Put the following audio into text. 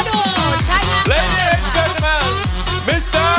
ขอดูใช้งานสำเร็จค่ะ